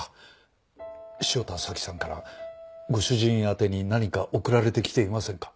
汐田早紀さんからご主人宛てに何か送られてきていませんか？